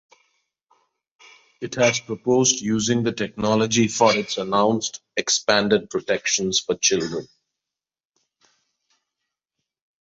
It has proposed using the technology for its announced Expanded Protections for Children